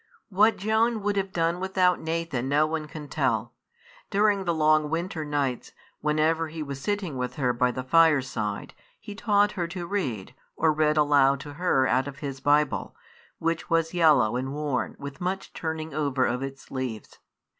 What Joan would have done without Nathan no one can tell. During the long winter nights, whenever he was sitting with her by the fireside, he taught her to read, or read aloud to her out of his Bible, which was yellow and worn with much turning over of its leaves.